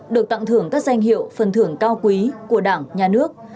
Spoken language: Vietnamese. được tặng thưởng các danh hiệu phần thưởng cao quý của đảng nhà nước